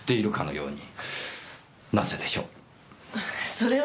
それは！